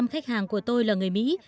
tám mươi năm khách hàng của tôi là người mỹ